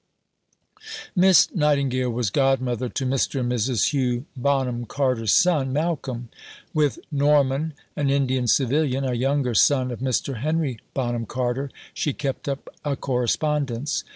Miss Nightingale was godmother to Mr. and Mrs. Hugh Bonham Carter's son, Malcolm. With Norman, an Indian Civilian, a younger son of Mr. Henry Bonham Carter, she kept up a correspondence.